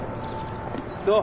どう？